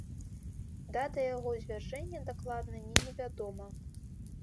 Дата яго звяржэння дакладна не невядома.